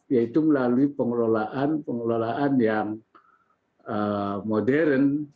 yaitu melalui pengelolaan pengelolaan yang modern